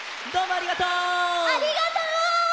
ありがとう！